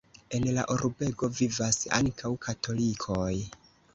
En la urbego vivas ankaŭ katolikoj.